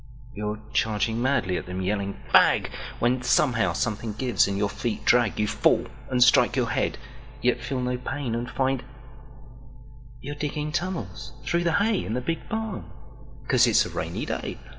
You're charging madly at them yelling "Fag!"When somehow something gives and your feet drag. You fall and strike your head; yet feel no painAnd find … you're digging tunnels through the hayIn the Big Barn, 'cause it's a rainy day.